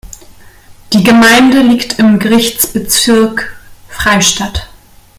Die Gemeinde liegt im Gerichtsbezirk Freistadt.